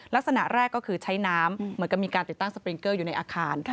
ลักษณะแรกก็คือใช้น้ำเหมือนกับมีการติดตั้งสปริงเกอร์อยู่ในอาคาร